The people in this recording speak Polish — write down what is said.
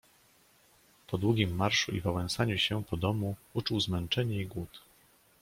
"Po długim marszu i wałęsaniu się po domu uczuł zmęczenie i głód."